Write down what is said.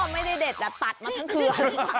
ไม่ได้เด็ดตัดมาทั้งคืน